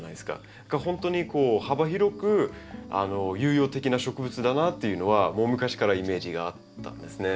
ほんとにこう幅広く有用的な植物だなっていうのはもう昔からイメージがあったんですね。